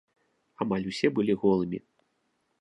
Амаль усе былі голымі.